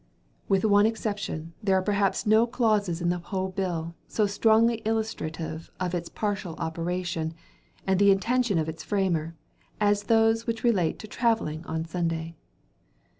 With one exception, there are perhaps no clauses in the whole bill, so strongly illustrative of its partial operation, and the intention of its framer, as those which relate to travelling on Sunday.